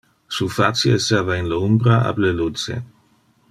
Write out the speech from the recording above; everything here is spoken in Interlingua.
Su facie esseva in le umbra ab le luce.